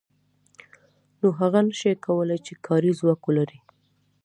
نو هغه نشي کولای چې کاري ځواک ولري